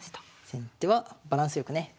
先手はバランス良くね